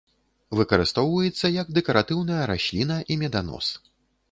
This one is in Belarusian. Выкарыстоўваецца як дэкаратыўная расліна і меданос.